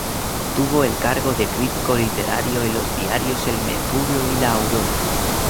Tuvo el cargo de crítico literario en los diarios El Mercurio y La Aurora.